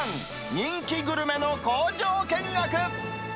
人気グルメの工場見学。